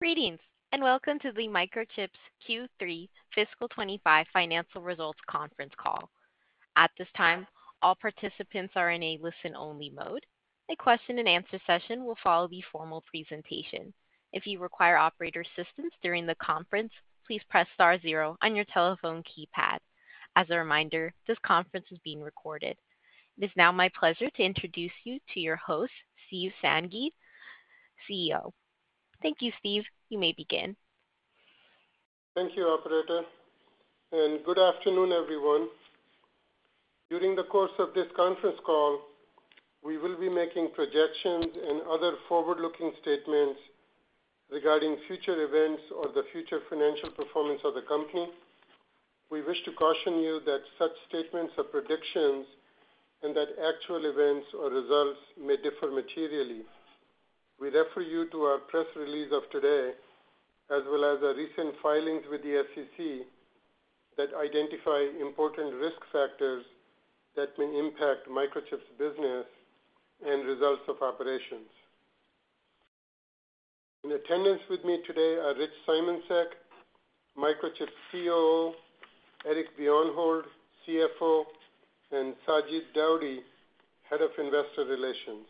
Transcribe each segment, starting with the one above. Greetings, and welcome to the Microchip's Q3 Fiscal 2025 Financial Results Conference call. At this time, all participants are in a listen-only mode. A question-and-answer session will follow the formal presentation. If you require operator assistance during the conference, please press star zero on your telephone keypad. As a reminder, this conference is being recorded. It is now my pleasure to introduce you to your host, Steve Sanghi, CEO. Thank you, Steve. You may begin. Thank you, Operator, and good afternoon, everyone. During the course of this conference call, we will be making projections and other forward-looking statements regarding future events or the future financial performance of the company. We wish to caution you that such statements are predictions and that actual events or results may differ materially. We refer you to our press release of today, as well as recent filings with the SEC that identify important risk factors that may impact Microchip's business and results of operations. In attendance with me today are Rich Simoncic, Microchip's COO, Eric Bjornholt, CFO, and Sajid Daudi, Head of Investor Relations.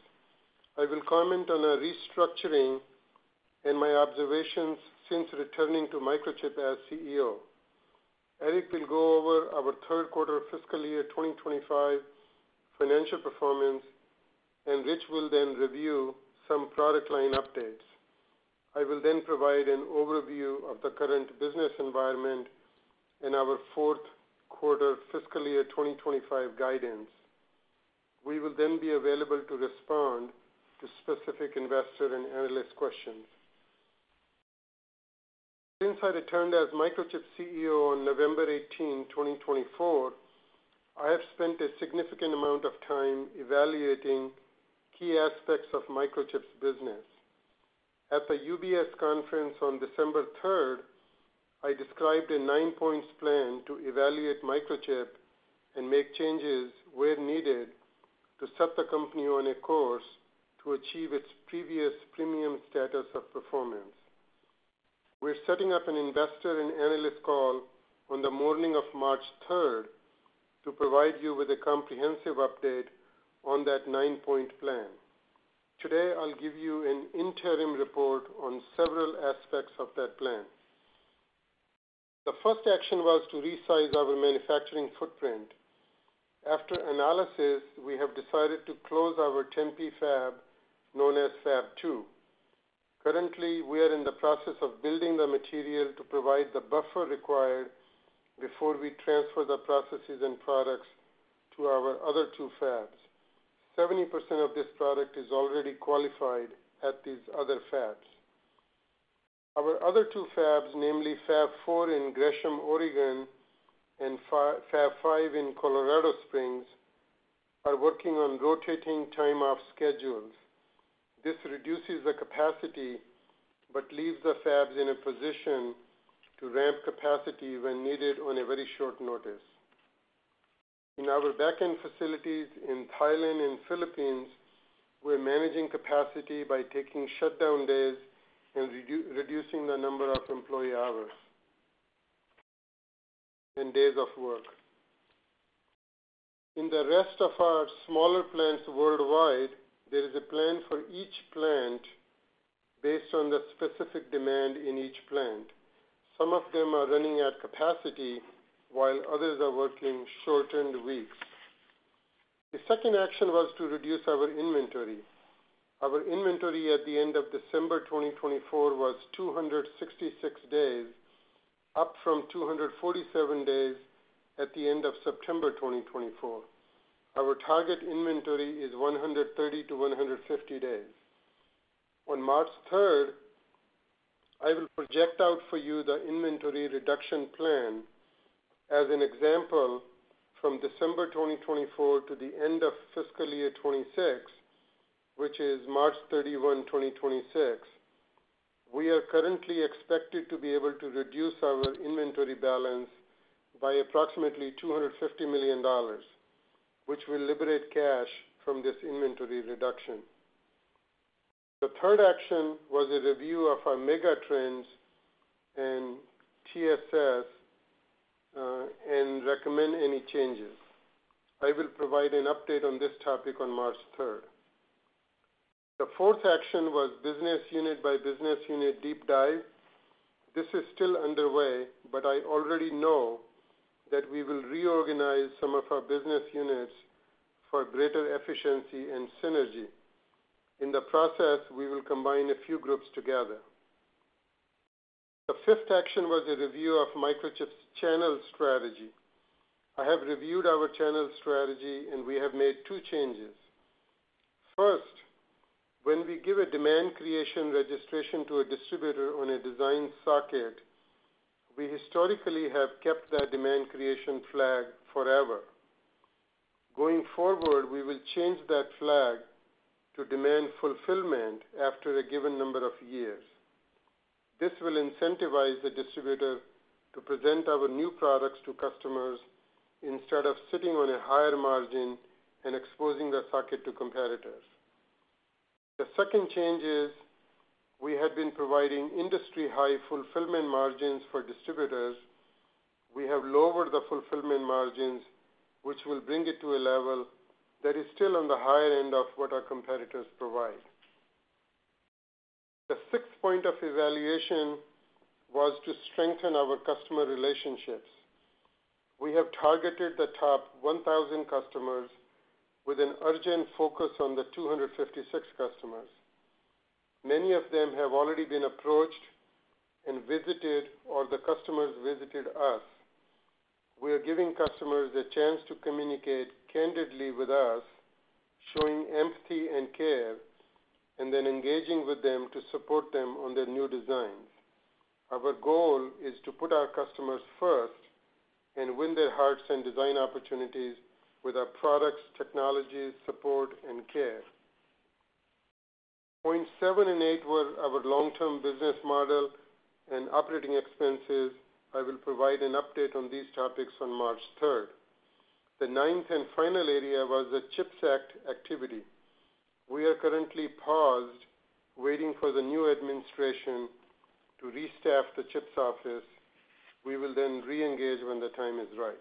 I will comment on our restructuring and my observations since returning to Microchip as CEO. Eric will go over our third-quarter fiscal year 2025 financial performance, and Rich will then review some product line updates. I will then provide an overview of the current business environment and our fourth-quarter fiscal year 2025 guidance. We will then be available to respond to specific investor and analyst questions. Since I returned as Microchip CEO on November 18, 2024, I have spent a significant amount of time evaluating key aspects of Microchip's business. At the UBS conference on December 3rd, I described a nine-point plan to evaluate Microchip and make changes where needed to set the company on a course to achieve its previous premium status of performance. We're setting up an investor and analyst call on the morning of March 3rd to provide you with a comprehensive update on that nine-point plan. Today, I'll give you an interim report on several aspects of that nine-point plan. The first action was to resize our manufacturing footprint. After analysis, we have decided to close our Tempe fab known as Fab Two. Currently, we are in the process of building the material to provide the buffer required before we transfer the processes and products to our other two fabs. 70% of this product is already qualified at these other fabs. Our other two fabs, namely Fab Four in Gresham, Oregon, and Fab Five in Colorado Springs, are working on rotating time-off schedules. This reduces the capacity but leaves the fabs in a position to ramp capacity when needed on a very short notice. In our backend facilities in Thailand and Philippines, we're managing capacity by taking shutdown days and reducing the number of employee hours and days of work. In the rest of our smaller plants worldwide, there is a plan for each plant based on the specific demand in each plant. Some of them are running at capacity, while others are working shortened weeks. The second action was to reduce our inventory. Our inventory at the end of December 2024 was 266 days, up from 247 days at the end of September 2024. Our target inventory is 130 to 150 days. On March 3rd, I will project out for you the inventory reduction plan as an example from December 2024 to the end of fiscal year 2026, which is March 31, 2026. We are currently expected to be able to reduce our inventory balance by approximately $250 million, which will liberate cash from this inventory reduction. The third action was a review of our Megatrends and TSS and recommend any changes. I will provide an update on this topic on March 3rd. The fourth action was business unit by business unit deep dive. This is still underway, but I already know that we will reorganize some of our business units for greater efficiency and synergy. In the process, we will combine a few groups together. The fifth action was a review of Microchip's channel strategy. I have reviewed our channel strategy, and we have made two changes. First, when we give a demand creation registration to a distributor on a design socket, we historically have kept that demand creation flag forever. Going forward, we will change that flag to demand fulfillment after a given number of years. This will incentivize the distributor to present our new products to customers instead of sitting on a higher margin and exposing the socket to competitors. The second change is we had been providing industry-high fulfillment margins for distributors. We have lowered the fulfillment margins, which will bring it to a level that is still on the higher end of what our competitors provide. The sixth point of evaluation was to strengthen our customer relationships. We have targeted the top 1000 customers with an urgent focus on the 256 customers. Many of them have already been approached and visited, or the customers visited us. We are giving customers a chance to communicate candidly with us, showing empathy and care, and then engaging with them to support them on their new designs. Our goal is to put our customers first and win their hearts and design opportunities with our products, technologies, support, and care. Points seven and eight were our long-term business model and operating expenses. I will provide an update on these topics on March 3rd. The ninth and final area was the CHIPS Act activity. We are currently paused, waiting for the new administration to restaff the CHIPS office. We will then reengage when the time is right.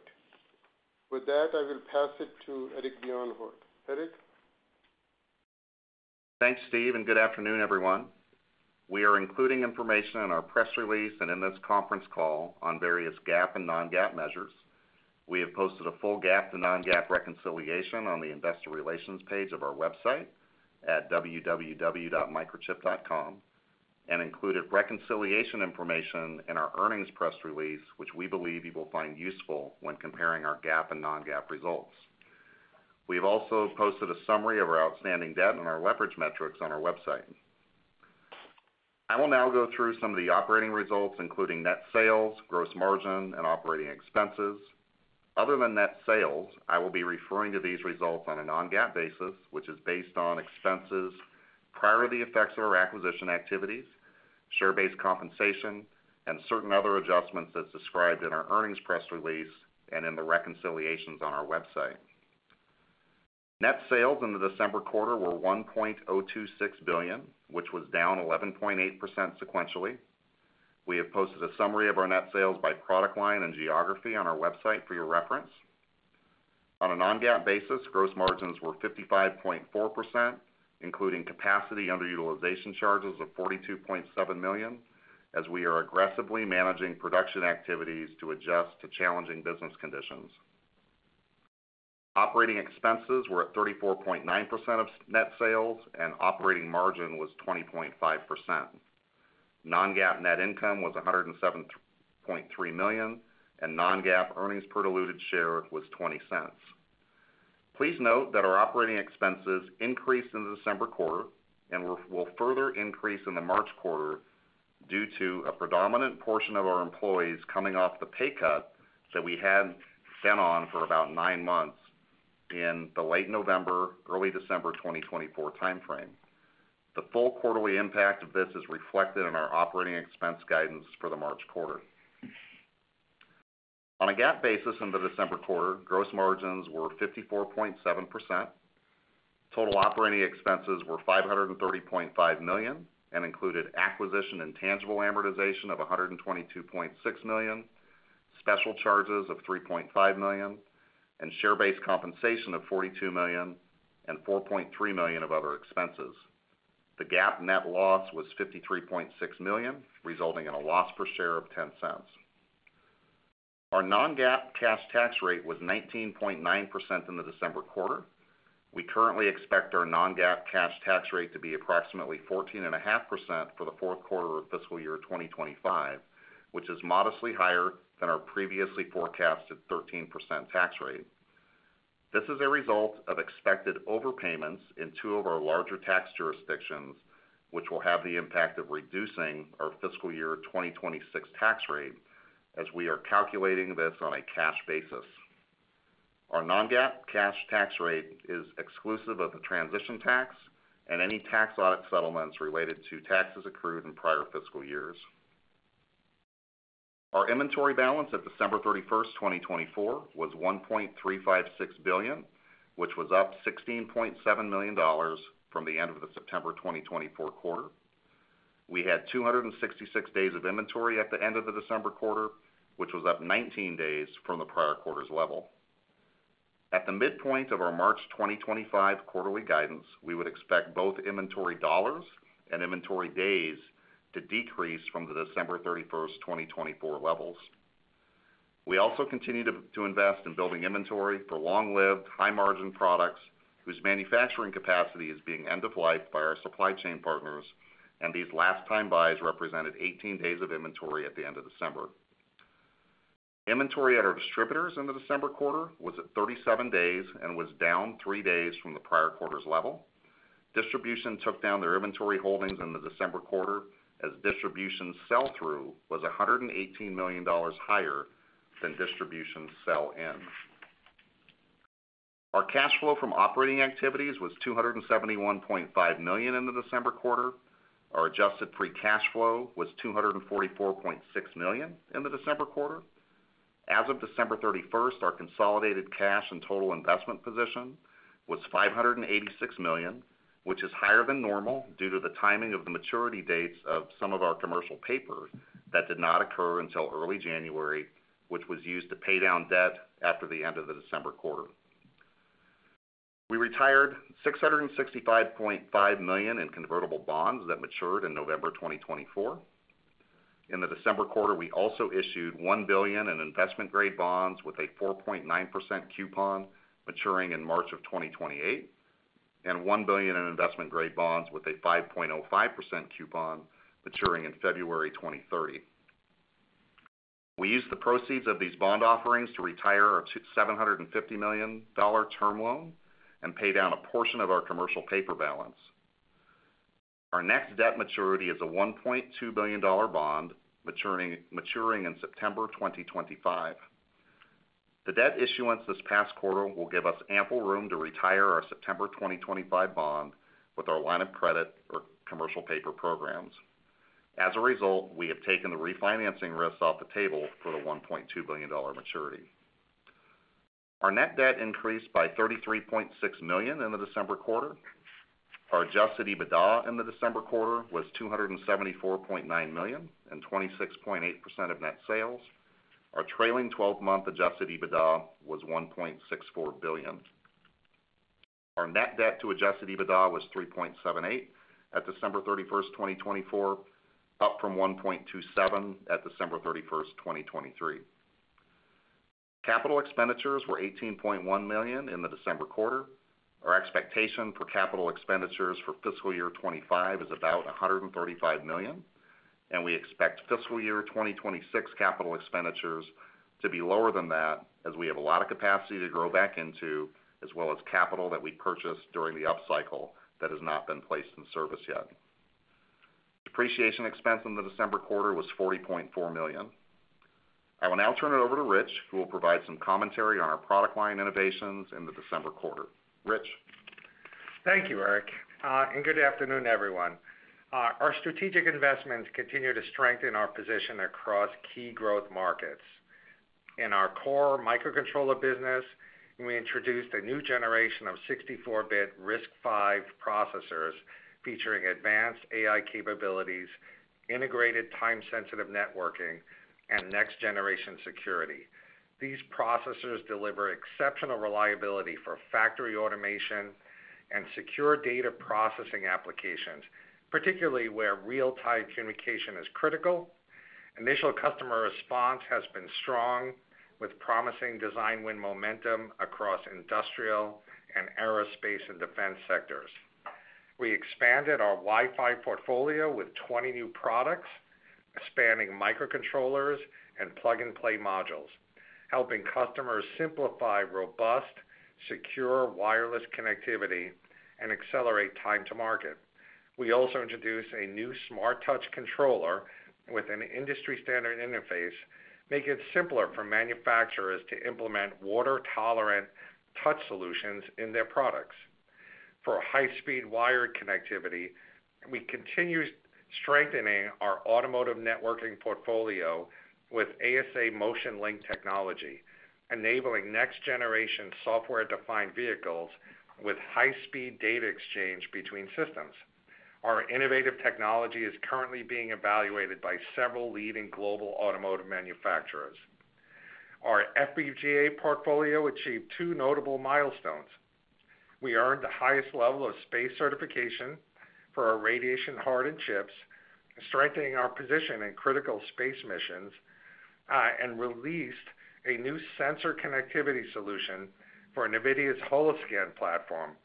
With that, I will pass it to Eric Bjornholt. Eric. Thanks, Steve, and good afternoon, everyone. We are including information in our press release and in this conference call on various GAAP and non-GAAP measures. We have posted a full GAAP to non-GAAP reconciliation on the investor relations page of our website at www.microchip.com and included reconciliation information in our earnings press release, which we believe you will find useful when comparing our GAAP and non-GAAP results. We have also posted a summary of our outstanding debt and our leverage metrics on our website. I will now go through some of the operating results, including net sales, gross margin, and operating expenses. Other than net sales, I will be referring to these results on a non-GAAP basis, which is based on expenses prior to the effects of our acquisition activities, share-based compensation, and certain other adjustments as described in our earnings press release and in the reconciliations on our website. Net sales in the December quarter were $1.026 billion, which was down 11.8% sequentially. We have posted a summary of our net sales by product line and geography on our website for your reference. On a Non-GAAP basis, gross margins were 55.4%, including capacity underutilization charges of $42.7 million, as we are aggressively managing production activities to adjust to challenging business conditions. Operating expenses were at 34.9% of net sales, and operating margin was 20.5%. Non-GAAP net income was $107.3 million, and Non-GAAP earnings per diluted share was $0.20. Please note that our operating expenses increased in the December quarter and will further increase in the March quarter due to a predominant portion of our employees coming off the pay cut that we had put on for about nine months in the late November, early December 2024 timeframe. The full quarterly impact of this is reflected in our operating expense guidance for the March quarter. On a GAAP basis in the December quarter, gross margins were 54.7%. Total operating expenses were $530.5 million and included acquisition and intangible amortization of $122.6 million, special charges of $3.5 million, and share-based compensation of $42 million and $4.3 million of other expenses. The GAAP net loss was $53.6 million, resulting in a loss per share of $0.10. Our non-GAAP cash tax rate was 19.9% in the December quarter. We currently expect our non-GAAP cash tax rate to be approximately 14.5% for the fourth quarter of fiscal year 2025, which is modestly higher than our previously forecasted 13% tax rate. This is a result of expected overpayments in two of our larger tax jurisdictions, which will have the impact of reducing our fiscal year 2026 tax rate as we are calculating this on a cash basis. Our Non-GAAP cash tax rate is exclusive of the transition tax and any tax audit settlements related to taxes accrued in prior fiscal years. Our inventory balance at December 31st, 2024, was $1.356 billion, which was up $16.7 million from the end of the September 2024 quarter. We had 266 days of inventory at the end of the December quarter, which was up 19 days from the prior quarter's level. At the midpoint of our March 2025 quarterly guidance, we would expect both inventory dollars and inventory days to decrease from the December 31st, 2024 levels. We also continue to invest in building inventory for long-lived, high-margin products whose manufacturing capacity is being end-of-life by our supply chain partners, and these last-time buys represented 18 days of inventory at the end of December. Inventory at our distributors in the December quarter was at 37 days and was down three days from the prior quarter's level. Distribution took down their inventory holdings in the December quarter as distribution sell-through was $118 million higher than distribution sell-in. Our cash flow from operating activities was $271.5 million in the December quarter. Our adjusted free cash flow was $244.6 million in the December quarter. As of December 31st, our consolidated cash and total investment position was $586 million, which is higher than normal due to the timing of the maturity dates of some of our commercial papers that did not occur until early January, which was used to pay down debt after the end of the December quarter. We retired $665.5 million in convertible bonds that matured in November 2024. In the December quarter, we also issued $1 billion in investment-grade bonds with a 4.9% coupon maturing in March of 2028, and $1 billion in investment-grade bonds with a 5.05% coupon maturing in February 2030. We used the proceeds of these bond offerings to retire our $750 million term loan and pay down a portion of our commercial paper balance. Our next debt maturity is a $1.2 billion bond maturing in September 2025. The debt issuance this past quarter will give us ample room to retire our September 2025 bond with our line of credit or commercial paper programs. As a result, we have taken the refinancing risk off the table for the $1.2 billion maturity. Our net debt increased by $33.6 million in the December quarter. Our Adjusted EBITDA in the December quarter was $274.9 million and 26.8% of net sales. Our trailing 12-month Adjusted EBITDA was $1.64 billion. Our net debt to Adjusted EBITDA was $3.78 at December 31st, 2024, up from $1.27 at December 31st, 2023. Capital expenditures were $18.1 million in the December quarter. Our expectation for capital expenditures for fiscal year 2025 is about $135 million, and we expect fiscal year 2026 capital expenditures to be lower than that as we have a lot of capacity to grow back into, as well as capital that we purchased during the upcycle that has not been placed in service yet. Depreciation expense in the December quarter was $40.4 million. I will now turn it over to Rich, who will provide some commentary on our product line innovations in the December quarter. Rich. Thank you, Eric. And good afternoon, everyone. Our strategic investments continue to strengthen our position across key growth markets. In our core microcontroller business, we introduced a new generation of 64-bit RISC-V processors featuring advanced AI capabilities, integrated time-sensitive networking, and next-generation security. These processors deliver exceptional reliability for factory automation and secure data processing applications, particularly where real-time communication is critical. Initial customer response has been strong, with promising design win momentum across industrial and aerospace and defense sectors. We expanded our Wi-Fi portfolio with 20 new products spanning microcontrollers and plug-and-play modules, helping customers simplify robust, secure wireless connectivity and accelerate time to market. We also introduced a new smart touch controller with an industry-standard interface, making it simpler for manufacturers to implement water-tolerant touch solutions in their products. For high-speed wired connectivity, we continue strengthening our automotive networking portfolio with ASA Motion Link technology, enabling next-generation software-defined vehicles with high-speed data exchange between systems. Our innovative technology is currently being evaluated by several leading global automotive manufacturers. Our FPGA portfolio achieved two notable milestones. We earned the highest level of space certification for our radiation-hardened chips, strengthening our position in critical space missions, and released a new sensor connectivity solution for NVIDIA's Holoscan platform,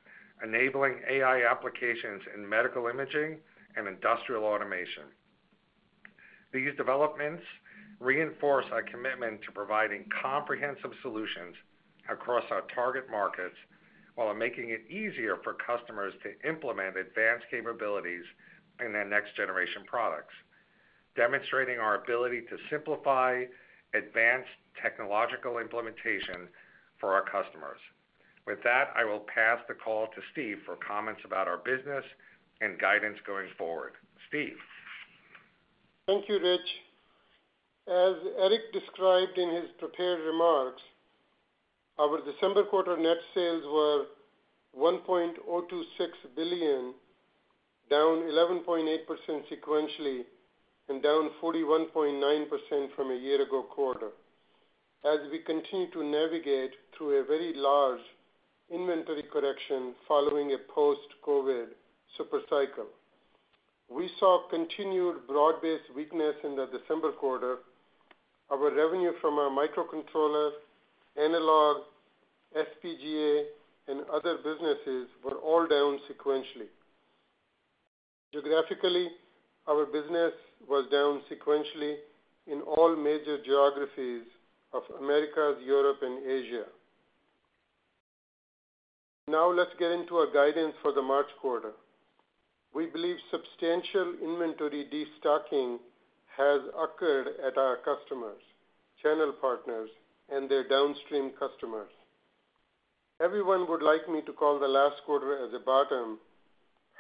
enabling AI applications in medical imaging and industrial automation. These developments reinforce our commitment to providing comprehensive solutions across our target markets while making it easier for customers to implement advanced capabilities in their next-generation products, demonstrating our ability to simplify advanced technological implementation for our customers. With that, I will pass the call to Steve for comments about our business and guidance going forward. Steve? Thank you, Rich. As Eric described in his prepared remarks, our December quarter net sales were $1.026 billion, down 11.8% sequentially, and down 41.9% from a year-ago quarter. As we continue to navigate through a very large inventory correction following a post-COVID supercycle, we saw continued broad-based weakness in the December quarter. Our revenue from our microcontroller, analog, FPGA, and other businesses were all down sequentially. Geographically, our business was down sequentially in all major geographies of Americas, Europe, and Asia. Now let's get into our guidance for the March quarter. We believe substantial inventory destocking has occurred at our customers, channel partners, and their downstream customers. Everyone would like me to call the last quarter as a bottom.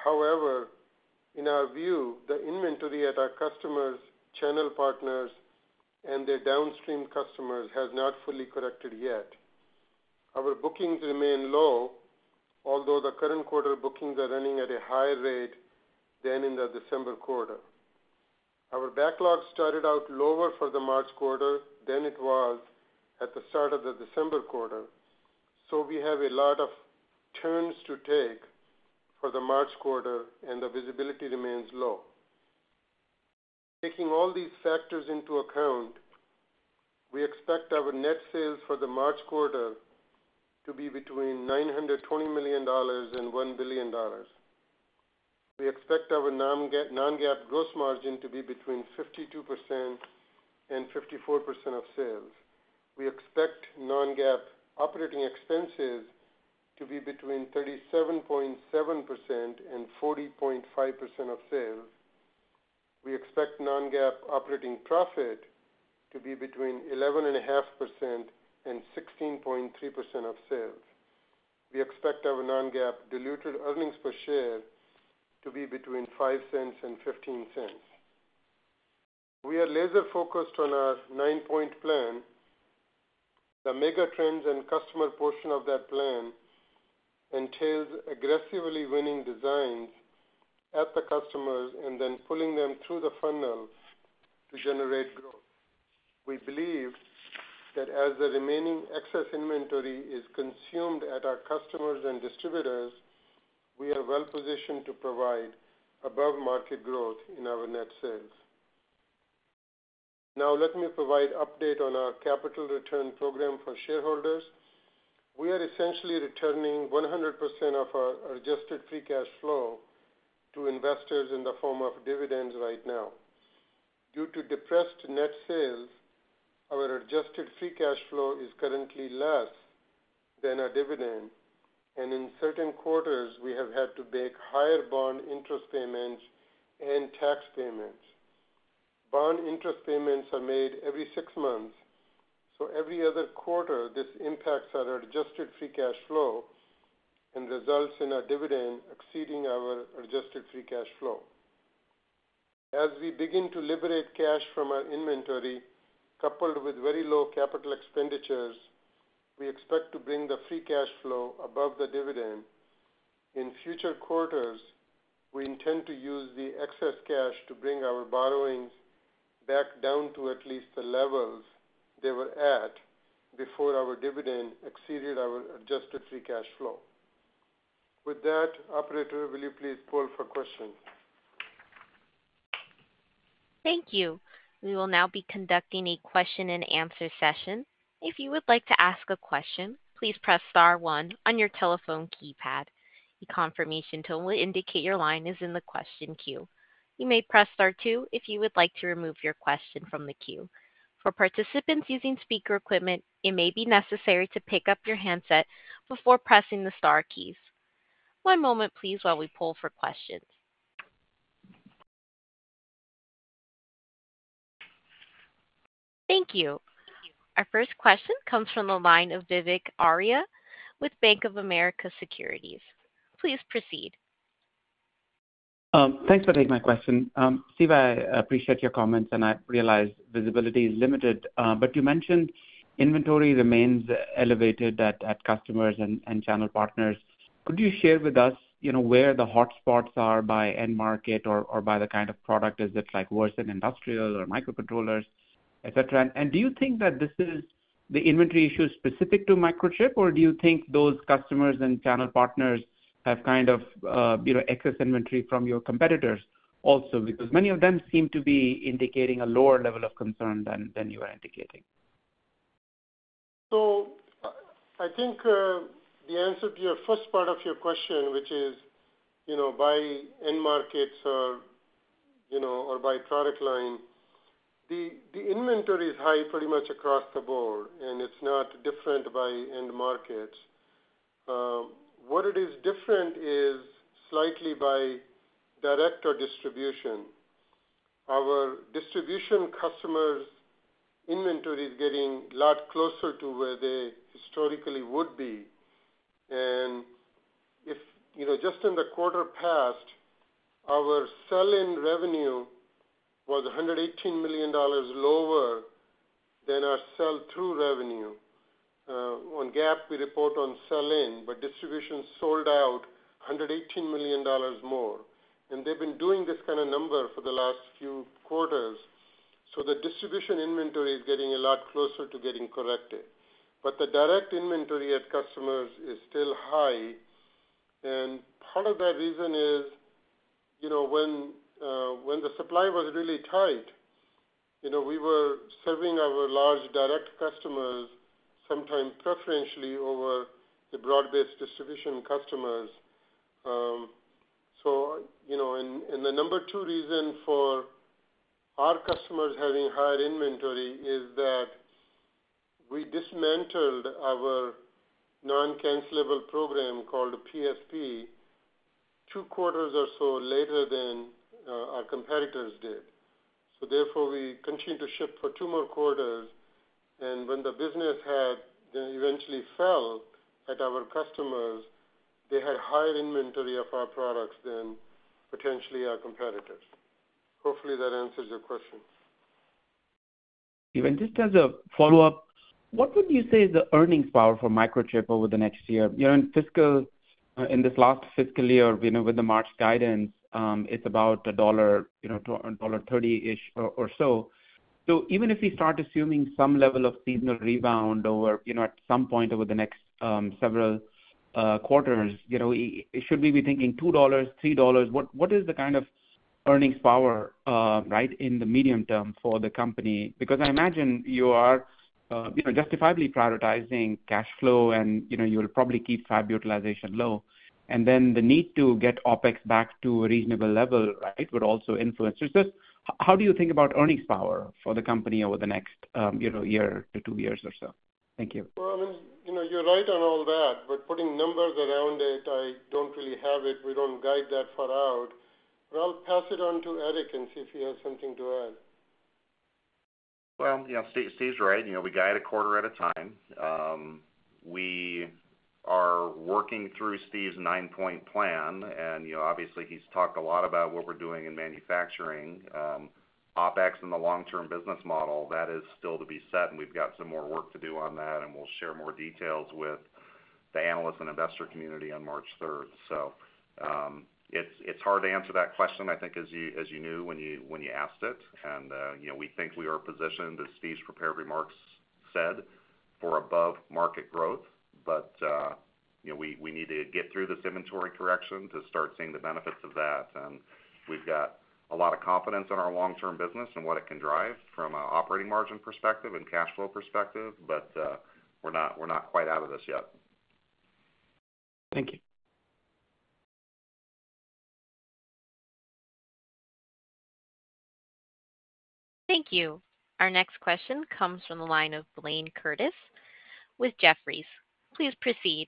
However, in our view, the inventory at our customers, channel partners, and their downstream customers has not fully corrected yet. Our bookings remain low, although the current quarter bookings are running at a higher rate than in the December quarter. Our backlog started out lower for the March quarter than it was at the start of the December quarter, so we have a lot of turns to take for the March quarter, and the visibility remains low. Taking all these factors into account, we expect our net sales for the March quarter to be between $920 million and $1 billion. We expect our non-GAAP gross margin to be between 52% and 54% of sales. We expect non-GAAP operating expenses to be between 37.7% and 40.5% of sales. We expect non-GAAP operating profit to be between 11.5% and 16.3% of sales. We expect our non-GAAP diluted earnings per share to be between $0.05 and $0.15. We are laser-focused on our nine-point plan. The Megatrends and customer portion of that plan entails aggressively winning designs at the customers and then pulling them through the funnel to generate growth. We believe that as the remaining excess inventory is consumed at our customers and distributors, we are well-positioned to provide above-market growth in our net sales. Now let me provide an update on our capital return program for shareholders. We are essentially returning 100% of our adjusted free cash flow to investors in the form of dividends right now. Due to depressed net sales, our adjusted free cash flow is currently less than our dividend, and in certain quarters, we have had to make higher bond interest payments and tax payments. Bond interest payments are made every six months, so every other quarter, this impacts our adjusted free cash flow and results in a dividend exceeding our adjusted free cash flow. As we begin to liberate cash from our inventory, coupled with very low capital expenditures, we expect to bring the free cash flow above the dividend. In future quarters, we intend to use the excess cash to bring our borrowings back down to at least the levels they were at before our dividend exceeded our adjusted free cash flow. With that, Operator, will you please poll for questions? Thank you. We will now be conducting a question-and-answer session. If you would like to ask a question, please press star one on your telephone keypad. A confirmation to indicate your line is in the question queue. You may press star two if you would like to remove your question from the queue. For participants using speaker equipment, it may be necessary to pick up your handset before pressing the star keys. One moment, please, while we poll for questions. Thank you. Our first question comes from the line of Vivek Arya with Bank of America Securities. Please proceed. Thanks for taking my question. Steve, I appreciate your comments, and I realize visibility is limited, but you mentioned inventory remains elevated at customers and channel partners. Could you share with us where the hotspots are by end market or by the kind of product? Is it worse in industrial or microcontrollers, etc.? And do you think that this is the inventory issue specific to Microchip, or do you think those customers and channel partners have kind of excess inventory from your competitors also? Because many of them seem to be indicating a lower level of concern than you are indicating. So I think the answer to your first part of your question, which is by end markets or by product line, the inventory is high pretty much across the board, and it's not different by end markets. What it is different is slightly by direct distribution. Our distribution customers' inventory is getting a lot closer to where they historically would be. And just in the quarter past, our sell-in revenue was $118 million lower than our sell-through revenue. On GAAP, we report on sell-in, but distribution sold out $118 million more. And they've been doing this kind of number for the last few quarters. So the distribution inventory is getting a lot closer to getting corrected. But the direct inventory at customers is still high. And part of that reason is when the supply was really tight, we were serving our large direct customers, sometimes preferentially over the broad-based distribution customers. And the number two reason for our customers having higher inventory is that we dismantled our non-cancelable program called PSP two quarters or so later than our competitors did. So therefore, we continued to ship for two more quarters. And when the business eventually fell at our customers, they had higher inventory of our products than potentially our competitors. Hopefully, that answers your question. Steve, just as a follow-up, what would you say is the earnings power for Microchip over the next year? In this last fiscal year, with the March guidance, it's about $1.30-ish or so. So even if we start assuming some level of seasonal rebound at some point over the next several quarters, should we be thinking $2, $3? What is the kind of earnings power in the medium term for the company? Because I imagine you are justifiably prioritizing cash flow, and you'll probably keep fab utilization low. And then the need to get OPEX back to a reasonable level would also influence. How do you think about earnings power for the company over the next year to two years or so? Thank you. I mean, you're right on all that, but putting numbers around it, I don't really have it. We don't guide that far out. I'll pass it on to Eric and see if he has something to add. Yeah, Steve's right. We guide a quarter at a time. We are working through Steve's nine-point plan. Obviously, he's talked a lot about what we're doing in manufacturing, OPEX, and the long-term business model. That is still to be set, and we've got some more work to do on that, and we'll share more details with the analysts and investor community on March 3rd. It's hard to answer that question, I think, as you knew when you asked it. We think we are positioned, as Steve's prepared remarks said, for above-market growth. We need to get through this inventory correction to start seeing the benefits of that. We've got a lot of confidence in our long-term business and what it can drive from an operating margin perspective and cash flow perspective, but we're not quite out of this yet. Thank you. Thank you. Our next question comes from the line of Blaine Curtis with Jefferies. Please proceed.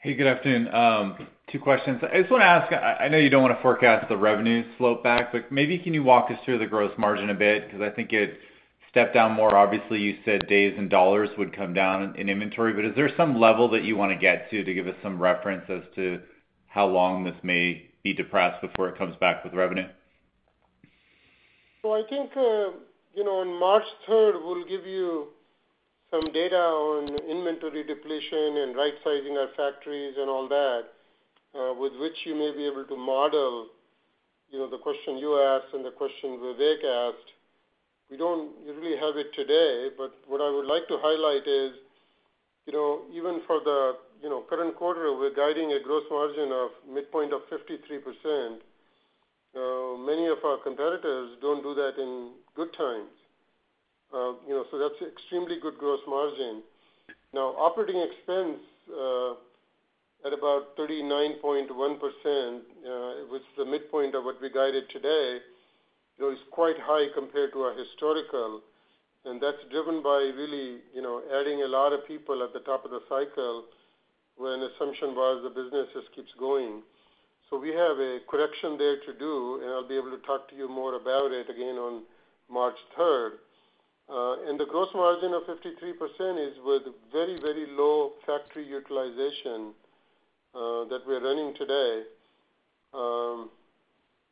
Hey, good afternoon. Two questions. I just want to ask, I know you don't want to forecast the revenue slope back, but maybe can you walk us through the gross margin a bit? Because I think it stepped down more. Obviously, you said days and dollars would come down in inventory, but is there some level that you want to get to to give us some reference as to how long this may be depressed before it comes back with revenue? I think on March 3rd, we'll give you some data on inventory depletion and right-sizing our factories and all that, with which you may be able to model the question you asked and the question Vivek asked. We don't really have it today, but what I would like to highlight is even for the current quarter, we're guiding a gross margin of midpoint of 53%. Many of our competitors don't do that in good times. That's an extremely good gross margin. Now, operating expense at about 39.1%, which is the midpoint of what we guided today, is quite high compared to our historical. That's driven by really adding a lot of people at the top of the cycle when the assumption was the business just keeps going. So we have a correction there to do, and I'll be able to talk to you more about it again on March 3rd. And the gross margin of 53% is with very, very low factory utilization that we're running today.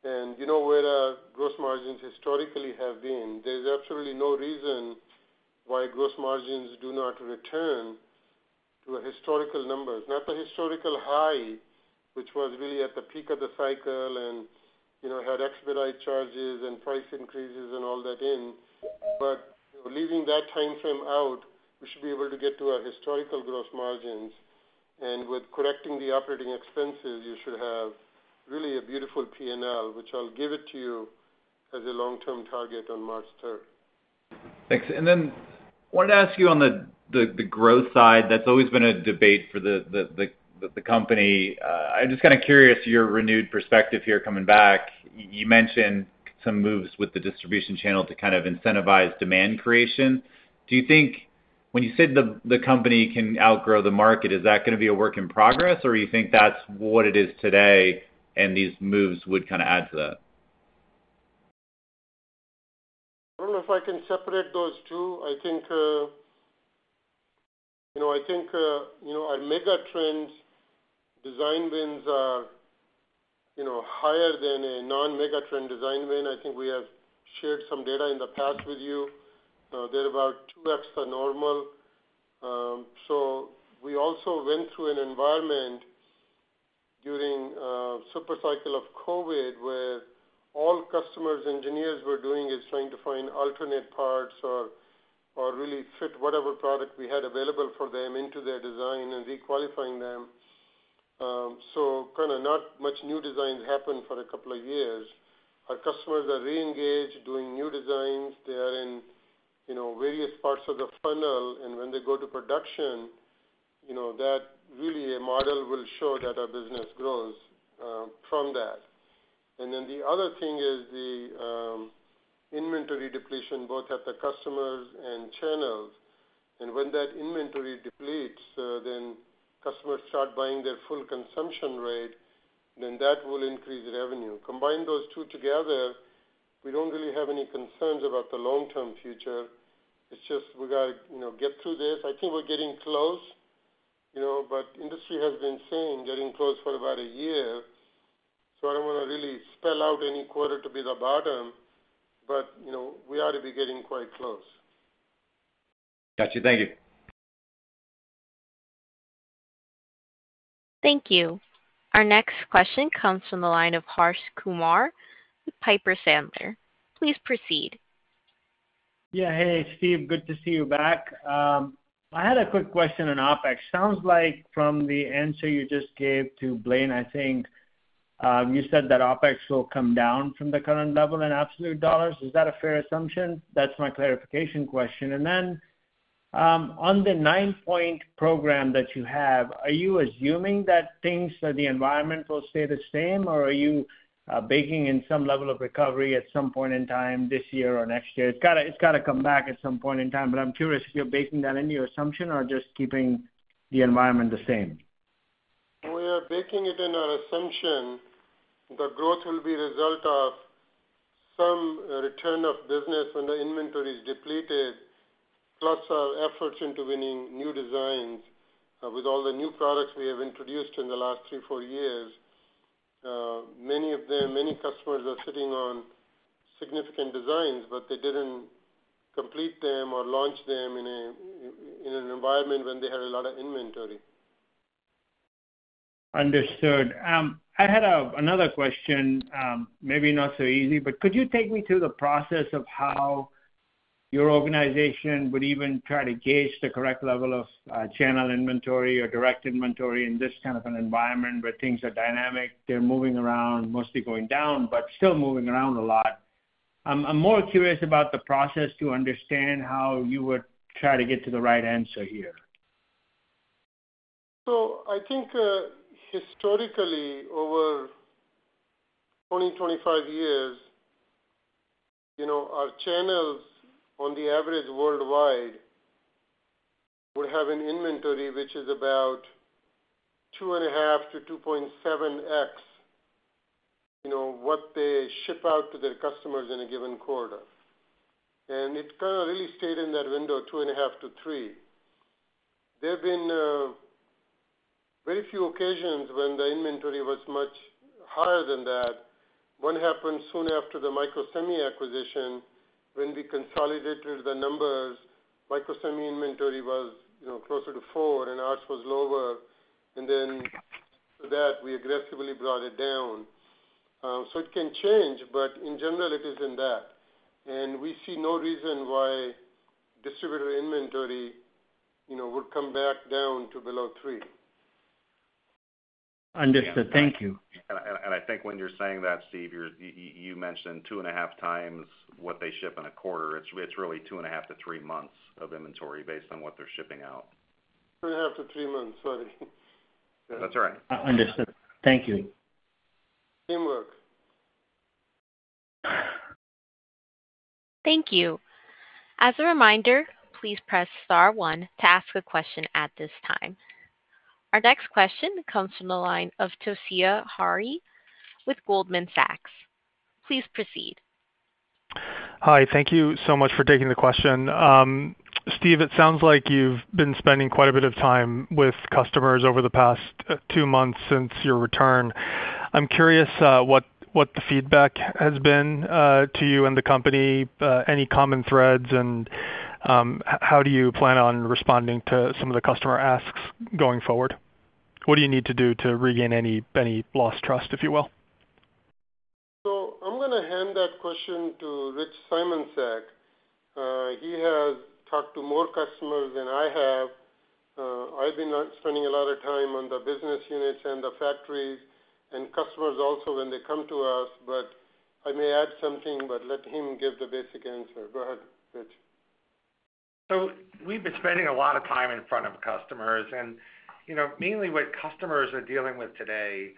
And you know where our gross margins historically have been. There's absolutely no reason why gross margins do not return to historical numbers, not the historical high, which was really at the peak of the cycle and had expedite charges and price increases and all that in. But leaving that time frame out, we should be able to get to our historical gross margins. And with correcting the operating expenses, you should have really a beautiful P&L, which I'll give it to you as a long-term target on March 3rd. Thanks, and then I wanted to ask you on the growth side. That's always been a debate for the company. I'm just kind of curious your renewed perspective here coming back. You mentioned some moves with the distribution channel to kind of incentivize demand creation. Do you think when you said the company can outgrow the market, is that going to be a work in progress, or do you think that's what it is today and these moves would kind of add to that? I don't know if I can separate those two. I think our megatrend design wins are higher than a non-megatrend design win. I think we have shared some data in the past with you. They're about 2x the normal. So we also went through an environment during a super cycle of COVID where all customers' engineers were doing is trying to find alternate parts or really fit whatever product we had available for them into their design and requalifying them. So kind of not much new designs happened for a couple of years. Our customers are re-engaged doing new designs. They are in various parts of the funnel, and when they go to production, that really a model will show that our business grows from that. And then the other thing is the inventory depletion both at the customers and channels. And when that inventory depletes, then customers start buying their full consumption rate, then that will increase revenue. Combine those two together, we don't really have any concerns about the long-term future. It's just we got to get through this. I think we're getting close, but industry has been saying getting close for about a year. So I don't want to really spell out any quarter to be the bottom, but we ought to be getting quite close. Gotcha. Thank you. Thank you. Our next question comes from the line of Harsh Kumar with Piper Sandler. Please proceed. Yeah. Hey, Steve. Good to see you back. I had a quick question on OpEx. Sounds like from the answer you just gave to Blaine, I think you said that OpEx will come down from the current level in absolute dollars. Is that a fair assumption? That's my clarification question. And then on the nine-point program that you have, are you assuming that things for the environment will stay the same, or are you baking in some level of recovery at some point in time this year or next year? It's got to come back at some point in time, but I'm curious if you're baking that into your assumption or just keeping the environment the same. We are baking it in our assumption that growth will be a result of some return of business when the inventory is depleted, plus our efforts into winning new designs with all the new products we have introduced in the last three, four years. Many of them, many customers are sitting on significant designs, but they didn't complete them or launch them in an environment when they had a lot of inventory. Understood. I had another question, maybe not so easy, but could you take me through the process of how your organization would even try to gauge the correct level of channel inventory or direct inventory in this kind of an environment where things are dynamic, they're moving around, mostly going down, but still moving around a lot? I'm more curious about the process to understand how you would try to get to the right answer here. So I think historically, over 20, 25 years, our channels on the average worldwide would have an inventory which is about 2.5 to 2.7x what they ship out to their customers in a given quarter. And it kind of really stayed in that window, 2.5 to 3. There have been very few occasions when the inventory was much higher than that. One happened soon after the Microsemi acquisition when we consolidated the numbers. Microsemi inventory was closer to 4, and ours was lower. And then after that, we aggressively brought it down. So it can change, but in general, it is in that. And we see no reason why distributor inventory would come back down to below three. Understood. Thank you. And I think when you're saying that, Steve, you mentioned 2.5 times what they ship in a quarter. It's really 2.5-3 months of inventory based on what they're shipping out. 2.5-3 months. Sorry. That's all right. Understood. Thank you. Same work. Thank you. As a reminder, please press star one to ask a question at this time. Our next question comes from the line of Toshiya Hari with Goldman Sachs. Please proceed. Hi. Thank you so much for taking the question. Steve, it sounds like you've been spending quite a bit of time with customers over the past two months since your return. I'm curious what the feedback has been to you and the company, any common threads, and how do you plan on responding to some of the customer asks going forward? What do you need to do to regain any lost trust, if you will? So I'm going to hand that question to Rich Simoncic. He has talked to more customers than I have. I've been spending a lot of time on the business units and the factories and customers also when they come to us, but I may add something, but let him give the basic answer. Go ahead, Rich. So we've been spending a lot of time in front of customers, and mainly what customers are dealing with today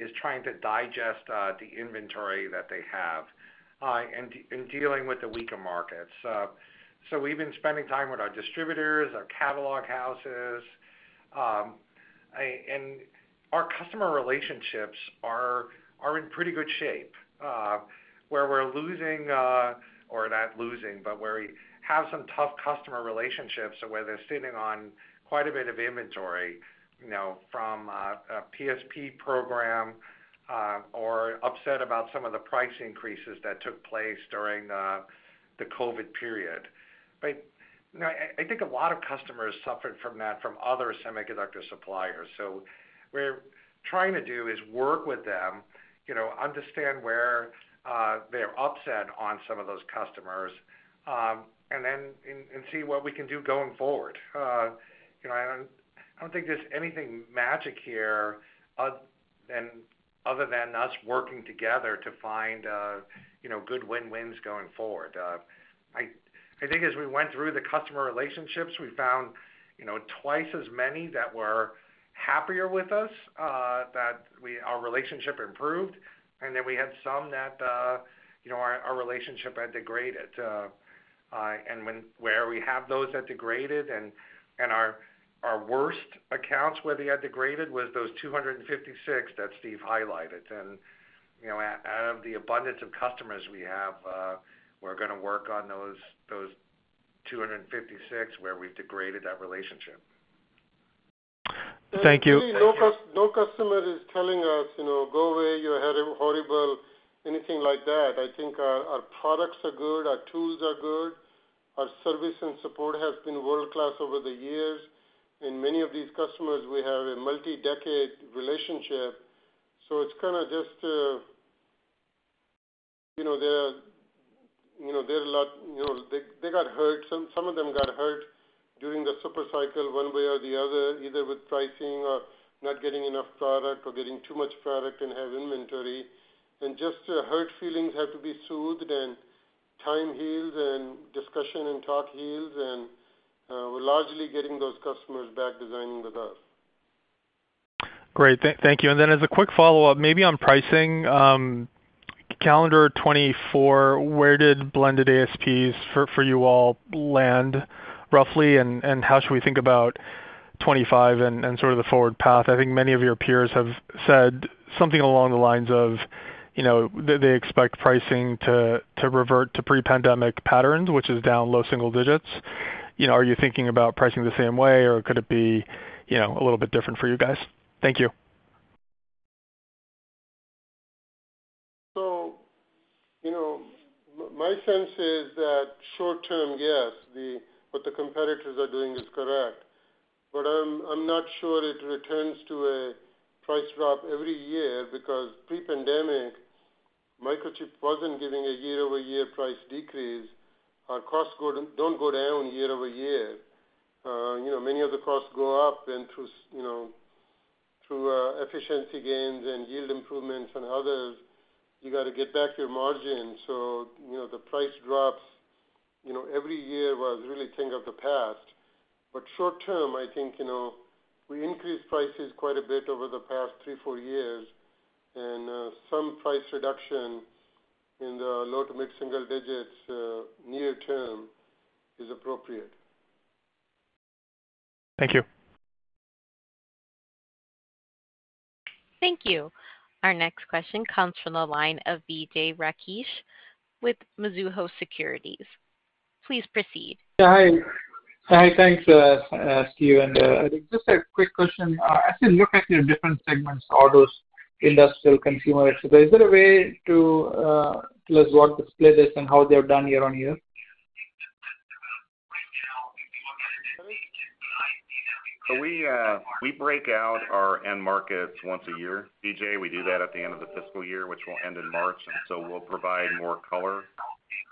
is trying to digest the inventory that they have and dealing with the weaker markets. So we've been spending time with our distributors, our catalog houses, and our customer relationships are in pretty good shape. Where we're losing, or not losing, but where we have some tough customer relationships where they're sitting on quite a bit of inventory from a PSP program or upset about some of the price increases that took place during the COVID period. But I think a lot of customers suffered from that from other semiconductor suppliers. So what we're trying to do is work with them, understand where they're upset on some of those customers, and then see what we can do going forward. I don't think there's anything magic here other than us working together to find good win-wins going forward. I think as we went through the customer relationships, we found twice as many that were happier with us, that our relationship improved, and then we had some that our relationship had degraded. And where we have those that degraded and our worst accounts where they had degraded was those 256 that Steve highlighted. And out of the abundance of customers we have, we're going to work on those 256 where we've degraded that relationship. Thank you. Really, no customer is telling us, "Go away. You're horrible," anything like that. I think our products are good, our tools are good, our service and support has been world-class over the years. And many of these customers, we have a multi-decade relationship. So it's kind of just they're a lot they got hurt. Some of them got hurt during the super cycle one way or the other, either with pricing or not getting enough product or getting too much product and have inventory. And just hurt feelings have to be soothed, and time heals, and discussion and talk heals, and we're largely getting those customers back designing with us. Great. Thank you. And then as a quick follow-up, maybe on pricing, calendar 2024, where did blended ASPs for you all land roughly, and how should we think about 2025 and sort of the forward path? I think many of your peers have said something along the lines of they expect pricing to revert to pre-pandemic patterns, which is down low single digits. Are you thinking about pricing the same way, or could it be a little bit different for you guys? Thank you. So my sense is that short-term, yes, what the competitors are doing is correct. But I'm not sure it returns to a price drop every year because pre-pandemic, Microchip wasn't giving a year-over-year price decrease. Our costs don't go down year-over-year. Many of the costs go up, and through efficiency gains and yield improvements and others, you got to get back your margin. So the price drops every year was really a thing of the past. But short-term, I think we increased prices quite a bit over the past three, four years, and some price reduction in the low to mid-single digits near term is appropriate. Thank you. Thank you. Our next question comes from the line of Vijay Rakesh with Mizuho Securities. Please proceed. Yeah. Hi. Thanks, Steve. And I think just a quick question. As you look at your different segments, all those industrial, consumer, autos, is there a way to tell us what the split is and how they're done year on year? We break out our end markets once a year. Vijay, we do that at the end of the fiscal year, which will end in March, and so we'll provide more color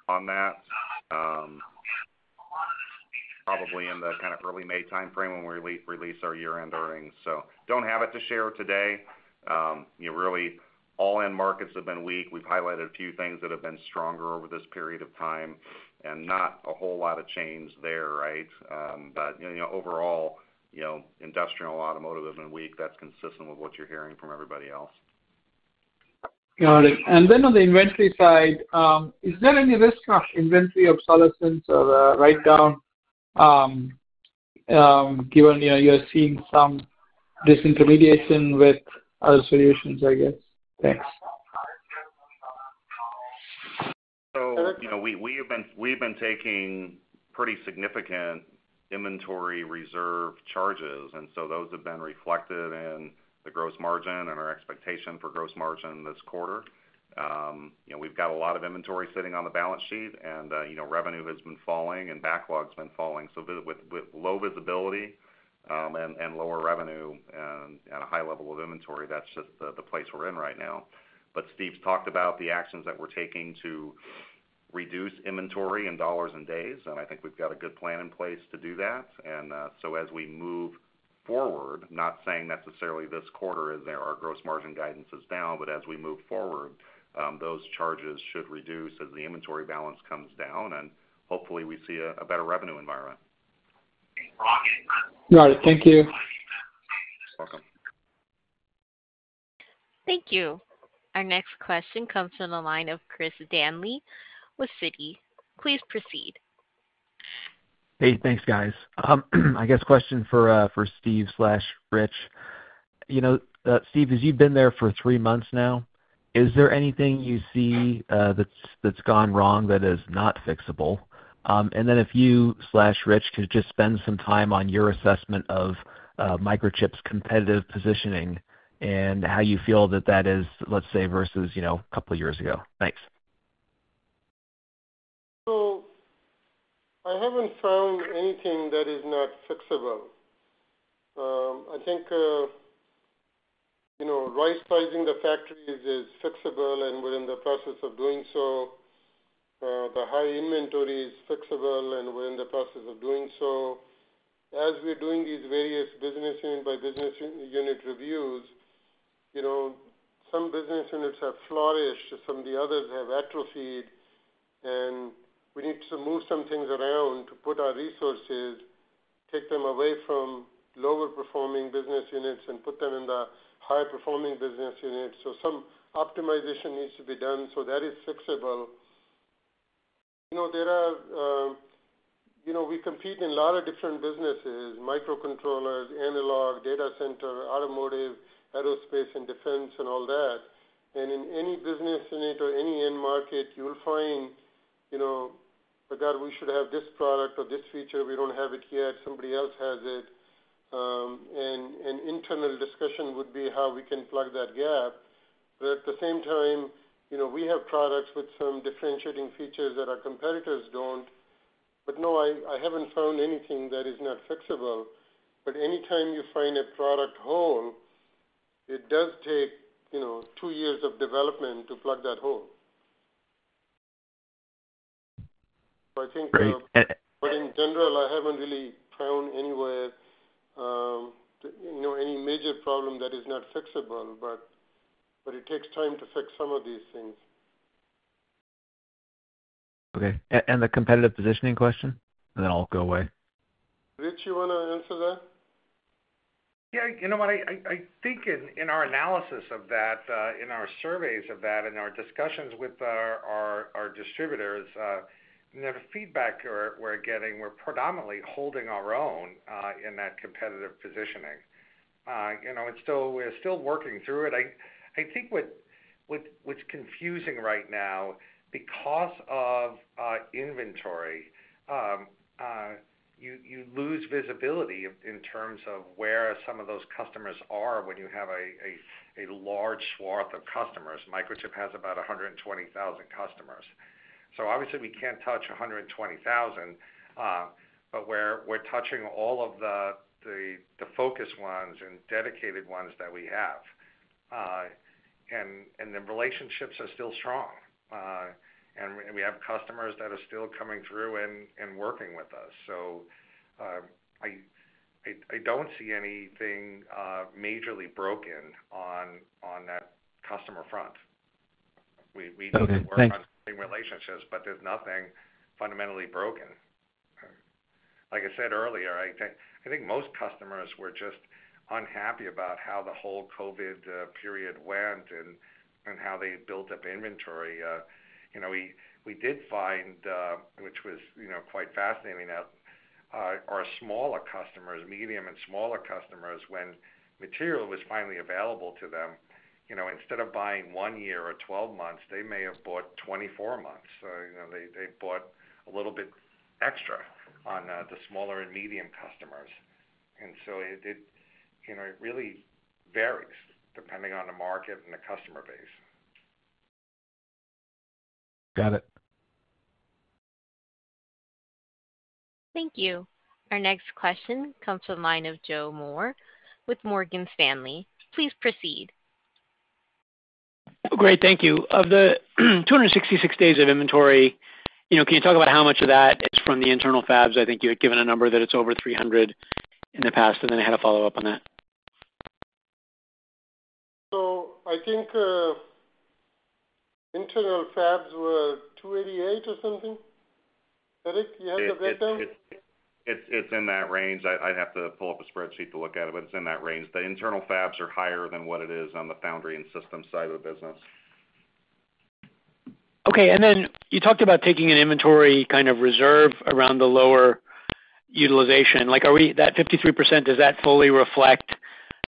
on that, probably in the kind of early May timeframe when we release our year-end earnings, so don't have it to share today. Really, all end markets have been weak. We've highlighted a few things that have been stronger over this period of time and not a whole lot of change there, right, but overall, industrial automotive has been weak. That's consistent with what you're hearing from everybody else. Got it. And then on the inventory side, is there any risk of inventory obsolescence or write-down given you're seeing some disintermediation with other solutions, I guess? Thanks. So we've been taking pretty significant inventory reserve charges, and so those have been reflected in the gross margin and our expectation for gross margin this quarter. We've got a lot of inventory sitting on the balance sheet, and revenue has been falling and backlog's been falling. So with low visibility and lower revenue and a high level of inventory, that's just the place we're in right now. But Steve's talked about the actions that we're taking to reduce inventory in dollars and days, and I think we've got a good plan in place to do that. And so as we move forward, not saying necessarily this quarter is our gross margin guidance is down, but as we move forward, those charges should reduce as the inventory balance comes down, and hopefully we see a better revenue environment. Got it. Thank you. You're welcome. Thank you. Our next question comes from the line of Chris Danely with Citi. Please proceed. Hey. Thanks, guys. I guess question for Steve/Rich. Steve, as you've been there for three months now, is there anything you see that's gone wrong that is not fixable? And then if you/Rich could just spend some time on your assessment of Microchip's competitive positioning and how you feel that that is, let's say, versus a couple of years ago. Thanks. So I haven't found anything that is not fixable. I think right-sizing the factories is fixable, and we're in the process of doing so. The high inventory is fixable, and we're in the process of doing so. As we're doing these various business unit by business unit reviews, some business units have flourished, some of the others have atrophied, and we need to move some things around to put our resources, take them away from lower-performing business units and put them in the higher-performing business units. So some optimization needs to be done so that is fixable. We compete in a lot of different businesses: microcontrollers, analog, data center, automotive, aerospace, and defense, and all that. And in any business unit or any end market, you'll find, "Oh God, we should have this product or this feature. We don't have it yet. “Somebody else has it.” And an internal discussion would be how we can plug that gap. But at the same time, we have products with some differentiating features that our competitors don't. But no, I haven't found anything that is not fixable. But anytime you find a product hole, it does take two years of development to plug that hole. So I think. Great. And. But in general, I haven't really found anywhere any major problem that is not fixable, but it takes time to fix some of these things. Okay. And the competitive positioning question? And then I'll go away. Rich, you want to answer that? Yeah. You know what? I think in our analysis of that, in our surveys of that, in our discussions with our distributors, the feedback we're getting, we're predominantly holding our own in that competitive positioning. And so we're still working through it. I think what's confusing right now, because of inventory, you lose visibility in terms of where some of those customers are when you have a large swath of customers. Microchip has about 120,000 customers. So obviously, we can't touch 120,000, but we're touching all of the focused ones and dedicated ones that we have. And the relationships are still strong. And we have customers that are still coming through and working with us. So I don't see anything majorly broken on that customer front. We do work on building relationships, but there's nothing fundamentally broken. Like I said earlier, I think most customers were just unhappy about how the whole COVID period went and how they built up inventory. We did find, which was quite fascinating, our smaller customers, medium and smaller customers, when material was finally available to them, instead of buying one year or 12 months, they may have bought 24 months, so they bought a little bit extra on the smaller and medium customers, and so it really varies depending on the market and the customer base. Got it. Thank you. Our next question comes from the line of Joe Moore with Morgan Stanley. Please proceed. Great. Thank you. Of the 266 days of inventory, can you talk about how much of that is from the internal fabs? I think you had given a number that it's over 300 in the past, and then I had a follow-up on that. So I think internal fabs were 288 or something. Eric, you had the breakdown? It's in that range. I'd have to pull up a spreadsheet to look at it, but it's in that range. The internal fabs are higher than what it is on the foundry and system side of the business. Okay. And then you talked about taking an inventory kind of reserve around the lower utilization. That 53%, does that fully reflect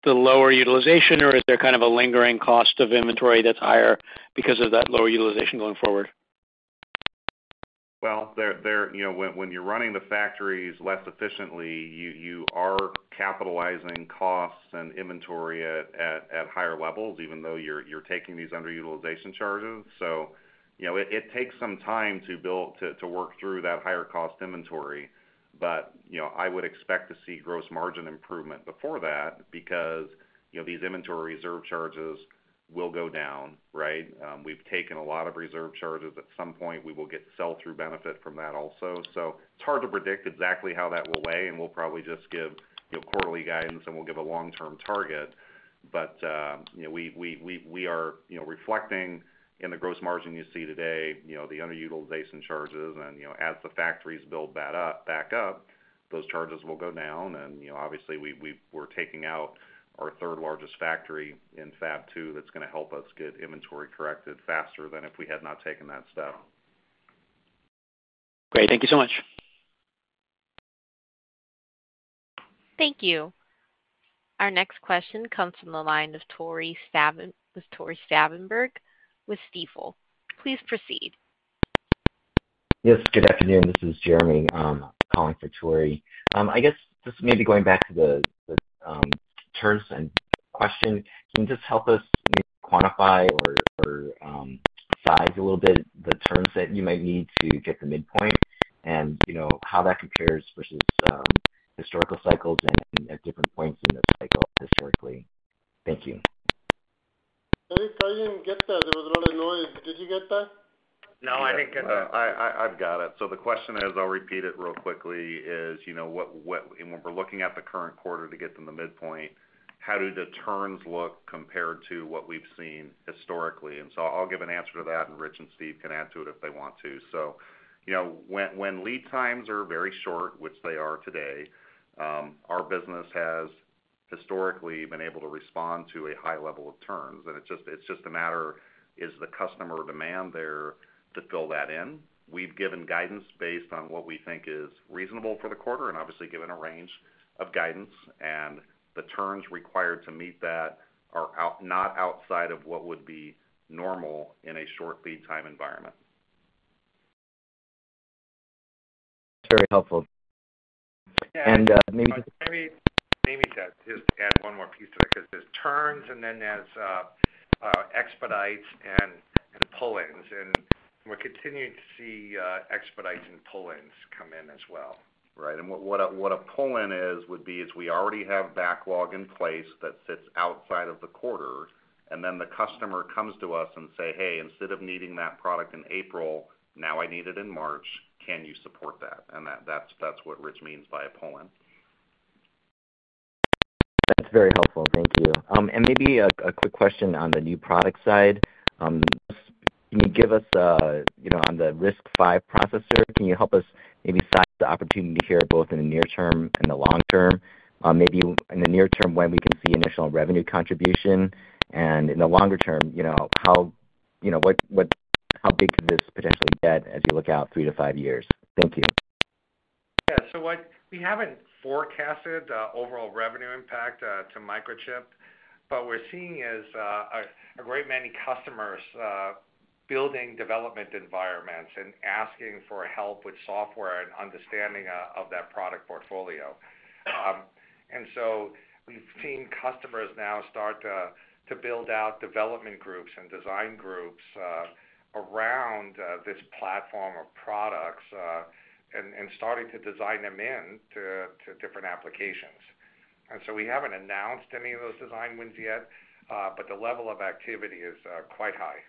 the lower utilization, or is there kind of a lingering cost of inventory that's higher because of that lower utilization going forward? Well, when you're running the factories less efficiently, you are capitalizing costs and inventory at higher levels, even though you're taking these under-utilization charges, so it takes some time to work through that higher-cost inventory, but I would expect to see gross margin improvement before that because these inventory reserve charges will go down, right? We've taken a lot of reserve charges. At some point, we will get sell-through benefit from that also, so it's hard to predict exactly how that will weigh, and we'll probably just give quarterly guidance, and we'll give a long-term target, but we are reflecting in the gross margin you see today the under-utilization charges, and as the factories build back up, those charges will go down, and obviously, we're taking out our third-largest factory in Fab 2 that's going to help us get inventory corrected faster than if we had not taken that step. Great. Thank you so much. Thank you. Our next question comes from the line of Tore Svanberg with Stifel. Please proceed. Yes. Good afternoon. This is Jeremy calling for Tore. I guess this may be going back to the turns question. Can you just help us maybe quantify or size a little bit the turns that you might need to get the midpoint and how that compares versus historical cycles and at different points in the cycle historically? Thank you. I didn't get that. There was a lot of noise. Did you get that? No, I didn't get that. I've got it. So the question is, I'll repeat it real quickly, is when we're looking at the current quarter to get to the midpoint, how do the turns look compared to what we've seen historically? And so I'll give an answer to that, and Rich and Steve can add to it if they want to. So when lead times are very short, which they are today, our business has historically been able to respond to a high level of turns. And it's just a matter: is the customer demand there to fill that in? We've given guidance based on what we think is reasonable for the quarter and obviously given a range of guidance. And the turns required to meet that are not outside of what would be normal in a short lead time environment. That's very helpful, and maybe. I maybe just add one more piece to it because there's turns and then there's expedites and pull-ins. And we're continuing to see expedites and pull-ins come in as well, right? And what a pull-in would be is we already have backlog in place that sits outside of the quarter. And then the customer comes to us and says, "Hey, instead of needing that product in April, now I need it in March. Can you support that?" And that's what Rich means by a pull-in. That's very helpful. Thank you. And maybe a quick question on the new product side. Can you give us on the RISC-V processor, can you help us maybe size the opportunity here both in the near term and the long term? Maybe in the near term, when we can see initial revenue contribution. And in the longer term, how big could this potentially get as you look out three to five years? Thank you. Yeah. So we haven't forecasted the overall revenue impact to Microchip, but what we're seeing is a great many customers building development environments and asking for help with software and understanding of that product portfolio. And so we've seen customers now start to build out development groups and design groups around this platform of products and starting to design them into different applications. And so we haven't announced any of those design wins yet, but the level of activity is quite high.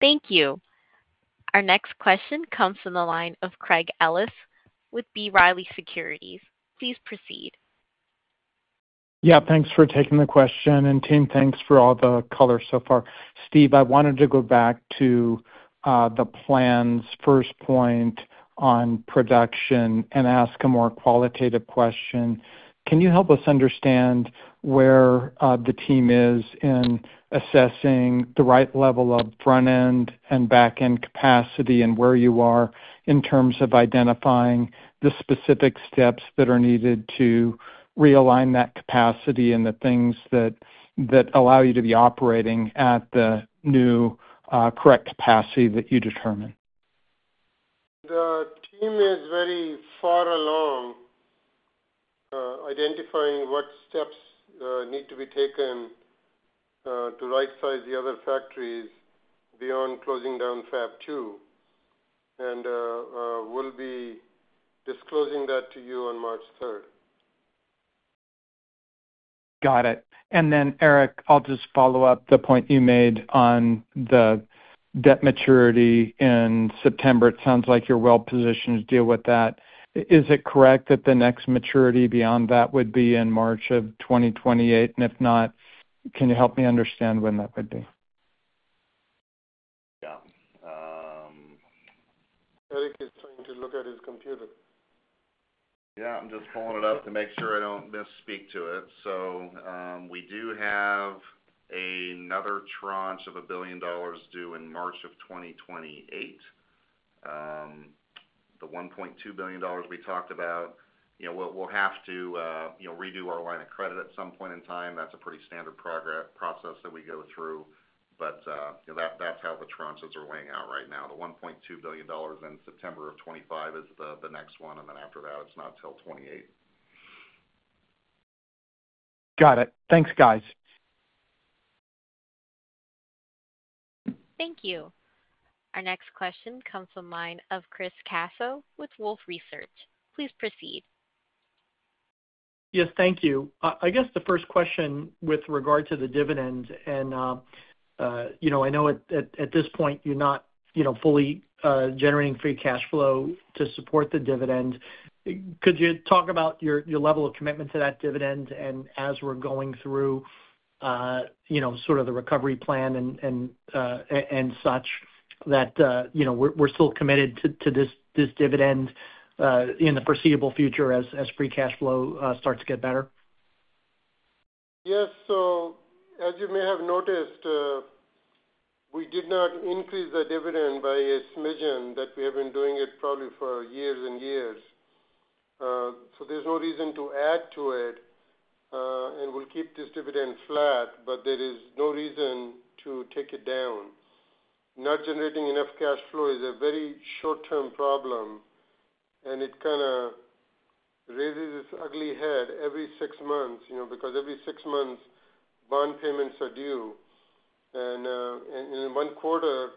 Thank you. Our next question comes from the line of Craig Ellis with B. Riley Securities. Please proceed. Yeah. Thanks for taking the question. And team, thanks for all the color so far. Steve, I wanted to go back to the plan's first point on production and ask a more qualitative question. Can you help us understand where the team is in assessing the right level of front-end and back-end capacity and where you are in terms of identifying the specific steps that are needed to realign that capacity and the things that allow you to be operating at the new correct capacity that you determine? The team is very far along identifying what steps need to be taken to right-size the other factories beyond closing down Fab 2, and we'll be disclosing that to you on March 3rd. Got it. And then, Eric, I'll just follow up the point you made on the debt maturity in September. It sounds like you're well-positioned to deal with that. Is it correct that the next maturity beyond that would be in March of 2028? And if not, can you help me understand when that would be? Yeah. Eric is trying to look at his computer. Yeah. I'm just pulling it up to make sure I don't misspeak to it. So we do have another tranche of $1 billion due in March of 2028. The $1.2 billion we talked about, we'll have to redo our line of credit at some point in time. That's a pretty standard process that we go through. But that's how the tranches are laying out right now. The $1.2 billion in September of 2025 is the next one. And then after that, it's not until 2028. Got it. Thanks, guys. Thank you. Our next question comes from the line of Chris Caso with Wolfe Research. Please proceed. Yes. Thank you. I guess the first question with regard to the dividend, and I know at this point, you're not fully generating free cash flow to support the dividend. Could you talk about your level of commitment to that dividend and, as we're going through sort of the recovery plan and such, that we're still committed to this dividend in the foreseeable future as free cash flow starts to get better? Yes. So as you may have noticed, we did not increase the dividend by a smidgen. We have been doing it probably for years and years. So there's no reason to add to it. And we'll keep this dividend flat, but there is no reason to take it down. Not generating enough cash flow is a very short-term problem. And it kind of raises its ugly head every six months because every six months, bond payments are due. And in one quarter,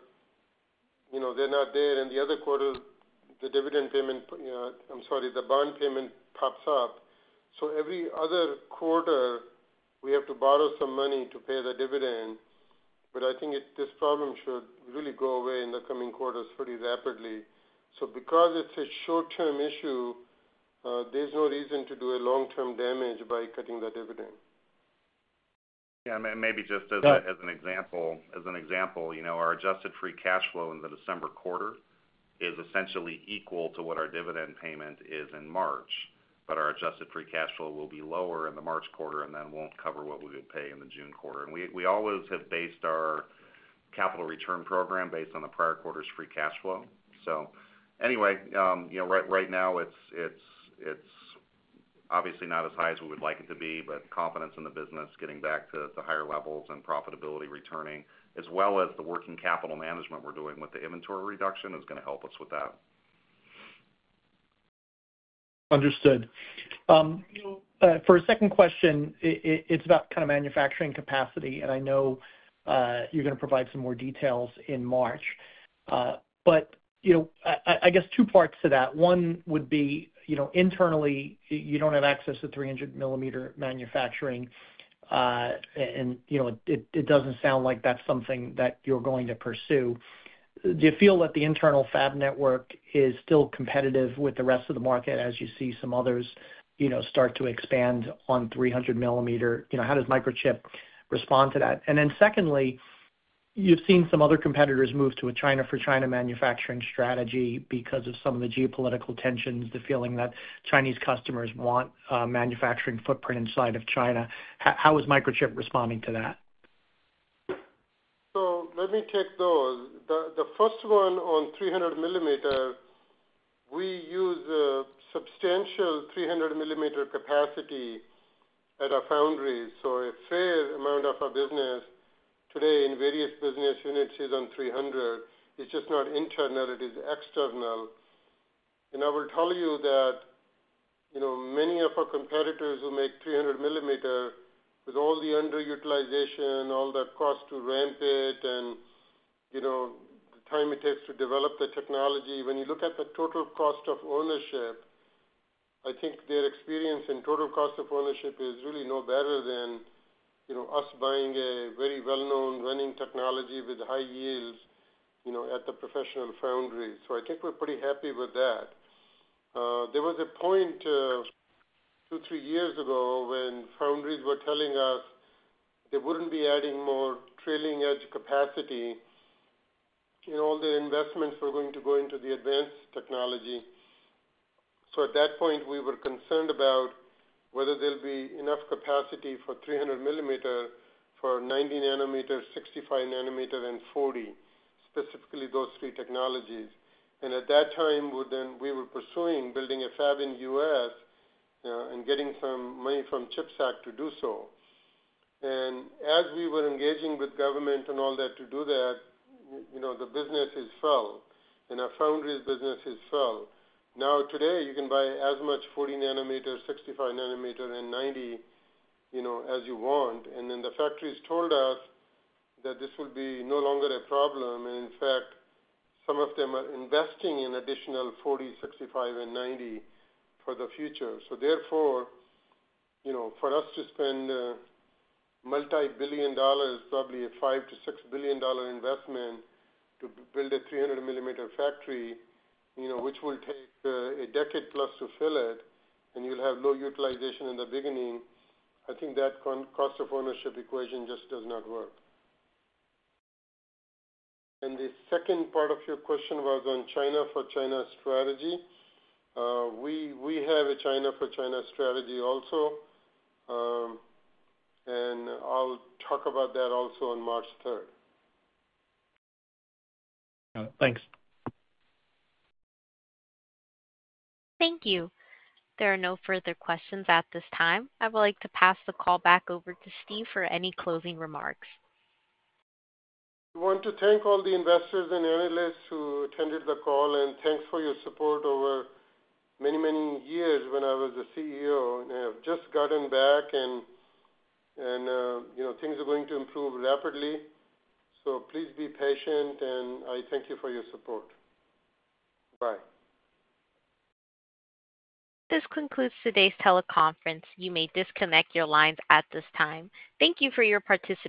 they're not there. And the other quarter, the dividend payment, I'm sorry, the bond payment pops up. So every other quarter, we have to borrow some money to pay the dividend. But I think this problem should really go away in the coming quarters pretty rapidly. So because it's a short-term issue, there's no reason to do a long-term damage by cutting the dividend. Yeah. And maybe just as an example, our adjusted free cash flow in the December quarter is essentially equal to what our dividend payment is in March. But our adjusted free cash flow will be lower in the March quarter and then won't cover what we would pay in the June quarter. And we always have based our capital return program based on the prior quarter's free cash flow. So anyway, right now, it's obviously not as high as we would like it to be, but confidence in the business, getting back to higher levels and profitability returning, as well as the working capital management we're doing with the inventory reduction, is going to help us with that. Understood. For a second question, it's about kind of manufacturing capacity. And I know you're going to provide some more details in March. But I guess two parts to that. One would be internally, you don't have access to 300-millimeter manufacturing. And it doesn't sound like that's something that you're going to pursue. Do you feel that the internal fab network is still competitive with the rest of the market as you see some others start to expand on 300-millimeter? How does Microchip respond to that? And then secondly, you've seen some other competitors move to a China-for-China manufacturing strategy because of some of the geopolitical tensions, the feeling that Chinese customers want a manufacturing footprint inside of China. How is Microchip responding to that? Let me take those. The first one on 300-millimeter, we use a substantial 300-millimeter capacity at our foundry. A fair amount of our business today in various business units is on 300. It's just not internal. It is external. And I will tell you that many of our competitors who make 300-millimeter, with all the underutilization, all the cost to ramp it, and the time it takes to develop the technology, when you look at the total cost of ownership, I think their experience in total cost of ownership is really no better than us buying a very well-known running technology with high yields at the professional foundry. I think we're pretty happy with that. There was about two or three years ago when foundries were telling us they wouldn't be adding more trailing-edge capacity. All their investments were going to go into the advanced technology. So at that point, we were concerned about whether there'll be enough capacity for 300-millimeter for 90-nanometer, 65-nanometer, and 40, specifically those three technologies. And at that time, we were pursuing building a fab in the U.S. and getting some money from CHIPS Act to do so. And as we were engaging with government and all that to do that, the businesses fell. And our foundry's businesses fell. Now, today, you can buy as much 40-nanometer, 65-nanometer, and 90 as you want. And then the factories told us that this will be no longer a problem. And in fact, some of them are investing in additional 40, 65, and 90 for the future. So therefore, for us to spend multi-billion dollars, probably a $5-6 billion investment to build a 300-millimeter factory, which will take a decade plus to fill it, and you'll have low utilization in the beginning, I think that cost of ownership equation just does not work. And the second part of your question was on China-for-China strategy. We have a China-for-China strategy also. And I'll talk about that also on March 3rd. Got it. Thanks. Thank you. There are no further questions at this time. I would like to pass the call back over to Steve for any closing remarks. I want to thank all the investors and analysts who attended the call. And thanks for your support over many, many years when I was the CEO. And I have just gotten back, and things are going to improve rapidly. So please be patient. And I thank you for your support. Bye. This concludes today's teleconference. You may disconnect your lines at this time. Thank you for your participation.